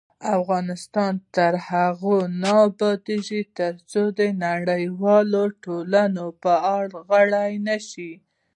افغانستان تر هغو نه ابادیږي، ترڅو د نړیوالې ټولنې فعال غړي نشو.